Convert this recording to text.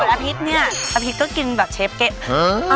อาพิษเนี่ยอาพิษก็กินแบบเชฟเกม